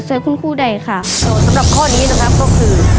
สำหรับข้อนี้นี่นะครับก็คือ